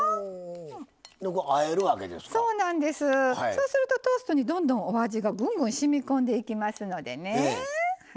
そうするとトーストにどんどんお味がぐんぐんしみ込んでいきますのでね。